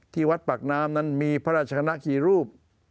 ที่วัดปากน้ำนั้นมีพระราชคณะคีรูป